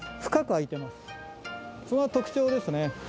それは特徴ですね。